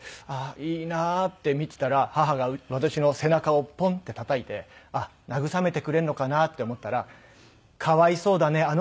ああいいなって見てたら母が私の背中をポンッてたたいてあっ慰めてくれるのかなって思ったら「かわいそうだね。